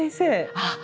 あっ。